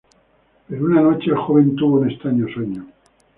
Pero una noche, el joven tuvo un extraño sueño.